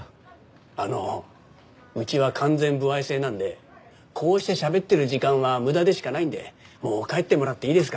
あのうちは完全歩合制なんでこうしてしゃべってる時間は無駄でしかないんでもう帰ってもらっていいですか？